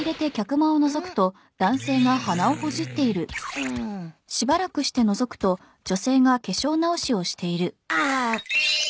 うん。ああ。